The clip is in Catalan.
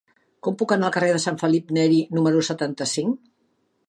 Com puc anar al carrer de Sant Felip Neri número setanta-cinc?